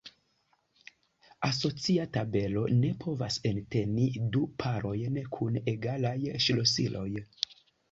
Asocia tabelo ne povas enteni du parojn kun egalaj ŝlosiloj.